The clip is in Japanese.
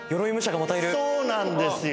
そうなんですよ。